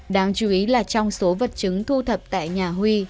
đáng chú ý là trong số vật chứng thu thập tại nhà huy